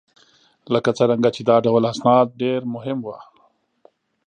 لکه څرنګه چې دا ډول اسناد ډېر مهم وه